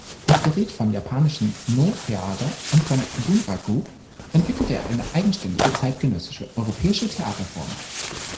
Inspiriert vom japanischen No-Theater und vom Bunraku entwickelte er eine eigenständige zeitgenössische europäische Theaterform.